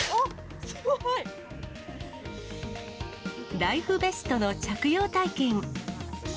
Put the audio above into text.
ライフベストの着用体験。